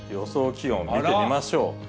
気温、見てみましょう。